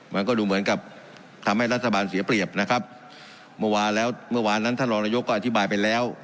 มันก็ดูเหมือนกับทำให้รัฐบาลเสียเปรียบนะครับเมื่อวานแล้วเมื่อวานนั้นท่านรองนายกก็อธิบายไปแล้ว